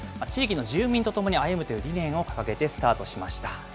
地域の住民とともに歩むという理念を掲げてスタートしました。